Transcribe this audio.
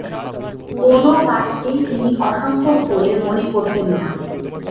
কোনো কাজকেই তিনি অসম্ভব বলে মনে করতেন না।